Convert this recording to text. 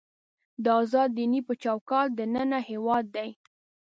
د ازاد دینۍ په چوکاټ دننه هېواد دی.